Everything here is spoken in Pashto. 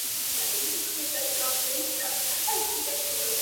دا عجیب منظرکسي ده. وېره نه لري امامه.